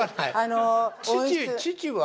父は。